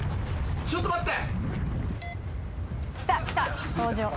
ちょっと待って。